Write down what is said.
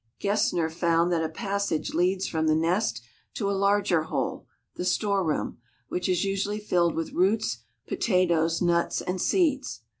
Gesner found that a passage leads from the nest to a larger hole, the storeroom, which is usually filled with roots, potatoes, nuts, and seeds.